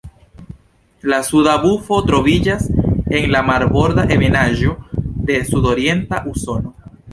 La Suda bufo troviĝas en la marborda ebenaĵo de sudorienta Usono.